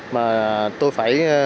mà tôi phải